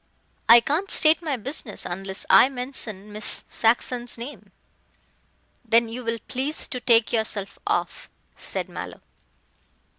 "I can't state my business unless I mention Miss Saxon's name." "Then you will please to take yourself off," said Mallow.